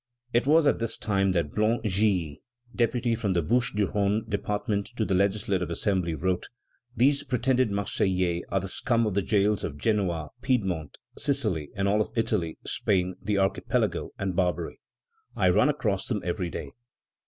It was at this time that Blanc Gilli, deputy from the Bouches du Rhone department to the Legislative Assembly, wrote: "These pretended Marseillais are the scum of the jails of Genoa, Piedmont, Sicily, and of all Italy, Spain, the Archipelago, and Barbary. I run across them every day."